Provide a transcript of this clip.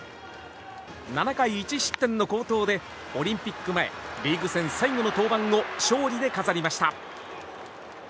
７回１失点の好投でオリンピック前リーグ戦最後の登板を勝利で飾りました。